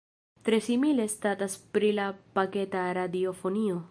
Tre simile statas pri la paketa radiofonio.